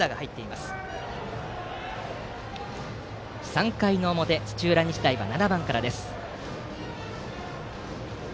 ３回の表、土浦日大は７番からです。